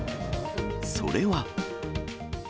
それは。